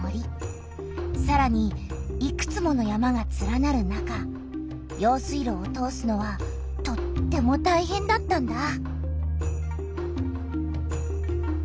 さらにいくつもの山がつらなる中用水路を通すのはとってもたいへんだったんだ。